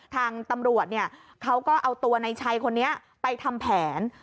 ทางตำรวจเขาก็เอาตัวในชัยคนนี้ไปทำแผน